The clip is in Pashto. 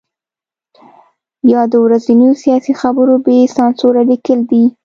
یا د ورځنیو سیاسي خبرو بې سانسوره لیکل دي.